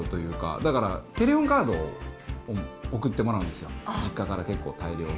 だから、テレホンカードを送ってもらうんですよ、実家から結構大量に。